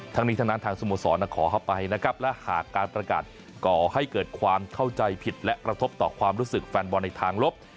ทั้งนี้ทั้งนั้นทางสโมสรขอเข้าไปนะครับและหากการประกาศก่อให้เกิดความเข้าใจผิดและกระทบต่อความรู้สึกแฟนบอลในทางลบ